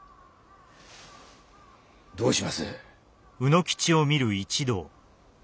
どうします？